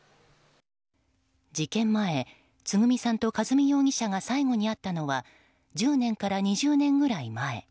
事件前つぐみさんと和美容疑者が最後に会ったのは１０年から２０年ぐらい前。